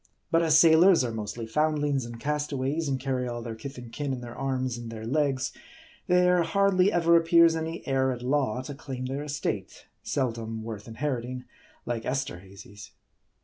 But as sailors are mostly foundlings and' castaways, and carry all their kith and kin in their arms and their legs, there hardly ever appears any heir at law to claim their estate ; seldom worth inheriting, like Esterhazy's.